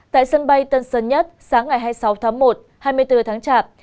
tại sân bay tân sơn nhất sáng ngày hai mươi sáu tháng một hai mươi bốn tháng chạp